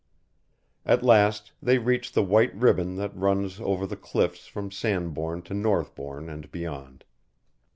At last they reached the white ribbon that runs over the cliffs from Sandbourne to Northbourne and beyond.